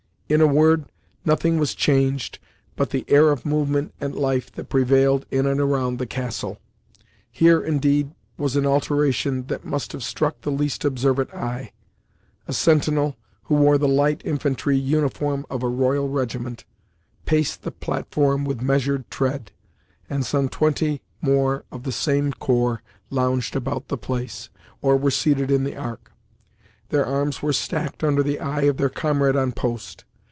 In a word, nothing was changed, but the air of movement and life that prevailed in and around the castle. Here, indeed, was an alteration that must have struck the least observant eye. A sentinel, who wore the light infantry uniform of a royal regiment, paced the platform with measured tread, and some twenty more of the same corps lounged about the place, or were seated in the ark. Their arms were stacked under the eye of their comrade on post.